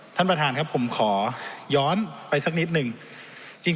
ท่านประธานครับผมขอย้อนไปสักนิดหนึ่ง